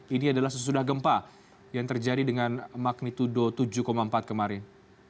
ini adalah sesudah gempa yang terjadi dengan magnitudo tujuh empat kemarin